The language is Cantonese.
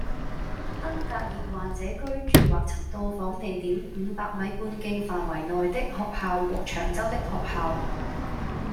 登革熱患者居住或曾到訪地點五百米半徑範圍內的學校和長洲的學校